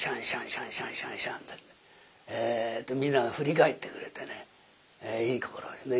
シャンシャンシャンシャンって皆が振り返ってくれてねいいところですね。